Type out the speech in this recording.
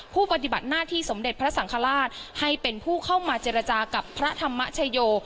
ปฏิบัติหน้าที่สมเด็จพระสังฆราชให้เป็นผู้เข้ามาเจรจากับพระธรรมชโย